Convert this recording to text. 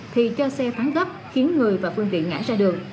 thì cho xe phán gấp khiến người và phương tiện ngã ra đường